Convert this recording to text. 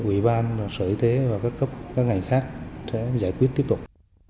ủy ban sở y tế và các cấp các ngành khác sẽ giải quyết tiếp tục